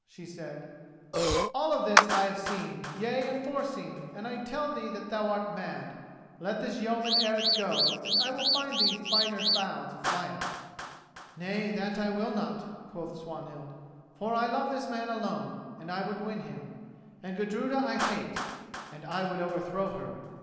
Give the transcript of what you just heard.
she said; "all of this I have seen, yea and foreseen, and I tell thee thou art mad. Let this yeoman Eric go and I will find thee finer fowl to fly at." "Nay, that I will not," quoth Swanhild: "for I love this man alone, and I would win him; and Gudruda I hate, and I would overthrow her.